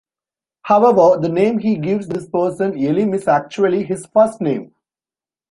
However, the name he gives this person, "Elim", is actually his first name.